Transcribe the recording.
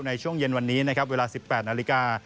ในช่วงเย็นวันนี้นะครับเวลา๑๘นาฬิกา